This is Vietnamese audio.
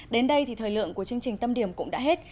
đến đây thì thời lượng của chương trình tâm điểm cũng đã hết